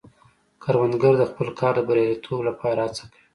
کروندګر د خپل کار د بریالیتوب لپاره هڅه کوي